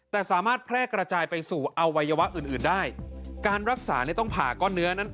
แต่สามารถแพร่กระจายไปสู่อวัยวะอื่นอื่นได้การรักษาเนี่ยต้องผ่าก้อนเนื้อนั้น